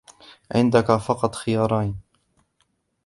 عندك فقط خيارين.